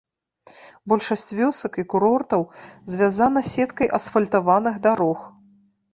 Большасць вёсак і курортаў звязана сеткай асфальтаваных дарог.